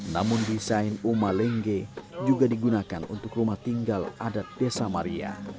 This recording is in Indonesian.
namun desain uma lengge juga digunakan untuk rumah tinggal adat desa maria